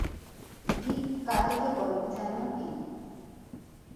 Gig কাদেরকে বলে, জানো নাকি?